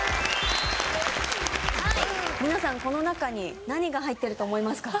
皆さんこの中に何が入ってると思いますか？